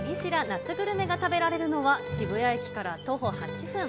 夏グルメが食べられるのは、渋谷駅から徒歩８分。